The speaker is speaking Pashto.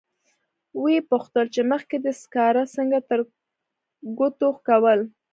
و یې پوښتل چې مخکې دې سکاره څنګه ترګوتو کول.